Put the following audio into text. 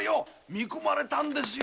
見込まれたんですよ。